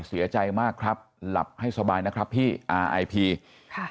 เสียใจมากครับหลับให้สบายนะครับพี่อ่าไอพีค่ะ